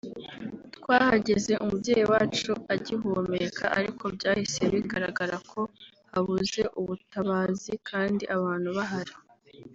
twahageze umubyeyi wacu agihumeka ariko byahise bigaragara ko habuze ubutabazi kandi abantu bahari